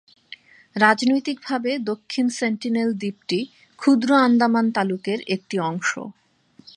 রাজনৈতিকভাবে, দক্ষিণ সেন্টিনেল দ্বীপটি ক্ষুদ্র আন্দামান তালুকের একটি অংশ।